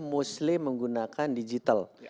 mostly menggunakan digital